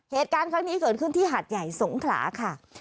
เหตุการณ์ครั้งนี้เกิดขึ้นที่หาดใหญ่สงขลาค่ะ